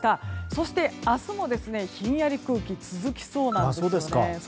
そして明日も、ひんやり空気続きそうなんです。